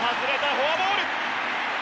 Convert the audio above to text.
フォアボール！